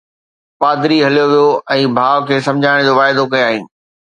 پادري هليو ويو ۽ ڀاءُ کي سمجهائڻ جو واعدو ڪيائين.